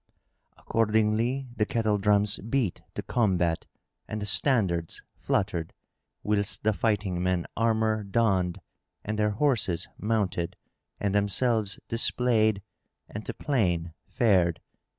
Accordingly, the kettle drums beat to combat and the standards fluttered whilst the fighting men armour donned and their horses mounted and themselves displayed and to plain fared.